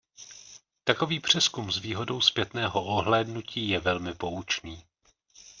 Takový přezkum s výhodou zpětného ohlédnutí je velmi poučný.